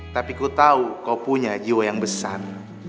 tapi ku tahu kau punya jiwa yang besar